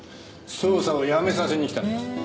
捜査をやめさせに来たんだよ。